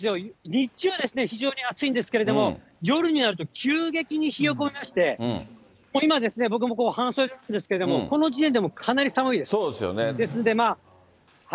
日中は非常に暑いんですけれども、夜になると急激に冷え込みまして、今、僕も半袖なんですけれども、この時点でもうかなり寒いです。ですので。